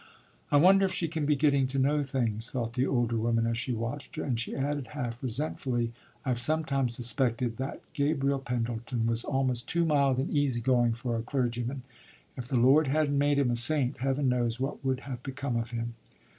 "I wonder if she can be getting to know things?" thought the older woman as she watched her, and she added half resentfully, "I've sometimes suspected that Gabriel Pendleton was almost too mild and easy going for a clergyman. If the Lord hadn't made him a saint, Heaven knows what would have become of him!"